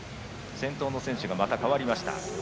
先頭の選手がまた変わりました。